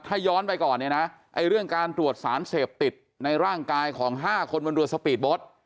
ถ้าย้อนไปก่อนเนี่ยนะไอ้เรื่องการตรวจสารเสพติดในร่างกายของ๕คนบนเรือสปีดโบ๊ท